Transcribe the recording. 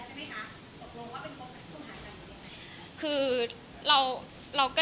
เราเนี่ยเป็นเพื่อนกันแล้วแล้พูดได้